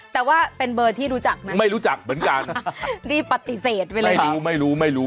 แต่ว่าเป็นเบอร์ที่รู้จักมั้ยรีบปฏิเสธไว้เลยครับไม่รู้